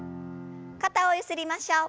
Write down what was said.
肩をゆすりましょう。